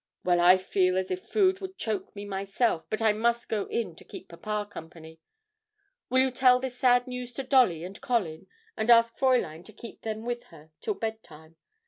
Well, I feel as if food would choke me myself, but I must go in to keep papa company. Will you tell this sad news to Dolly and Colin, and ask Fräulein to keep them with her till bedtime?